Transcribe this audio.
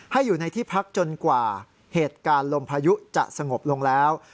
ให้อยู่ในที่พักจนกว่าเหตุการณ์ลมพายุจะสงบลงแล้ว